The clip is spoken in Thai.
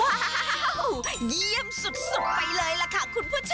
สุดสุดไปเลยแหละค่ะคุณผู้ชม